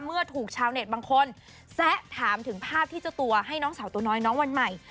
เมื่อถูกชาวเน็ตบางคนแซะถามถึงภาพที่เจ้าตัวให้น้องสาวตัวน้อยน้องวันใหม่